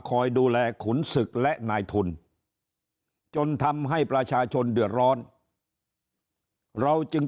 คอยดูแลขุนศึกและนายทุนจนทำให้ประชาชนเดือดร้อนเราจึง